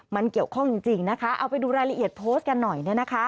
มันเกี่ยวข้องจริงนะคะเอาไปดูรายละเอียดโพสต์กันหน่อย